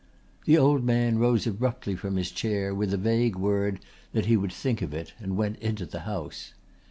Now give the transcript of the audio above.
The old man rose abruptly from his chair with a vague word that he would think of it and went into the house.